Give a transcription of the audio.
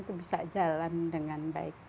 itu bisa jalan dengan baik